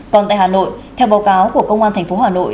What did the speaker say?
còn tại hà nội theo báo cáo của công an tp hcm